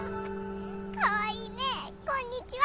かわいいねぇこんにちは！